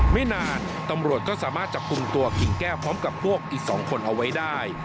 ไม่นานตำรวจก็สามารถจับกลุ่มตัวกิ่งแก้วพร้อมกับพวกอีก๒คนเอาไว้ได้